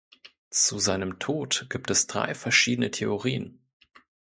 Zu seinem Tod gibt es drei verschiedene Theorien.